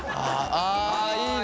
ああいいね！